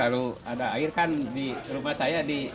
lalu ada air kan di rumah saya di